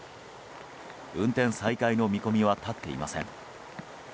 運転再開の見込みは立っていません。